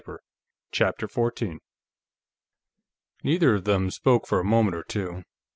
CHAPTER 14 Neither of them spoke for a moment or two.